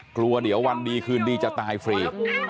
กลัวเดี๋ยววันดีคืนดีจะตายฟรี